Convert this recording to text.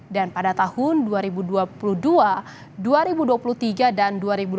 dan pada tahun dua ribu dua puluh dua dua ribu dua puluh tiga dan dua ribu dua puluh empat